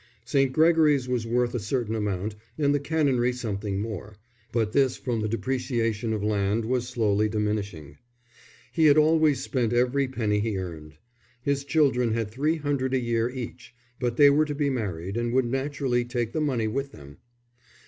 St. Gregory's was worth a certain amount and the canonry something more, but this from the depreciation of land was slowly diminishing. He had always spent every penny he earned. His children had three hundred a year each, but they were to be married and would naturally take the money with them.